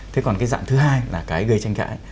thế còn cái dạng thứ hai là cái gây tranh cãi